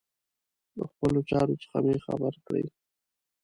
له خپلو چارو څخه مي خبر کړئ.